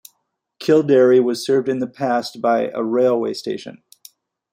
Kildary was served in the past by a railway station.